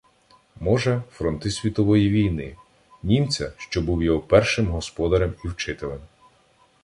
Може, фронти Світової війни, німця, що був його першим господарем і вчителем.